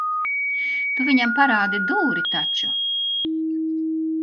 Tu viņam parādi dūri taču.